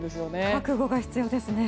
覚悟が必要ですね。